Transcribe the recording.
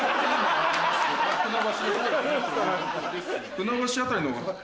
船橋辺りの方が。